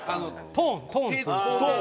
トーントーン。